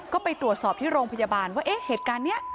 ก็ไปตรวจสอบที่โรงพยาบาลว่าเอ๊ะเหตุการณ์นี้